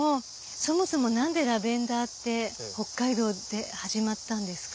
そもそも何でラベンダーって北海道で始まったんですか？